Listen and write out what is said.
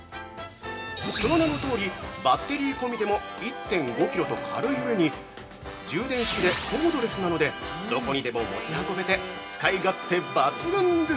その名のとおり、バッテリー込みでも１．５キロと軽い上に充電式でコードレスなのでどこにでも持ち運べて使い勝手抜群です。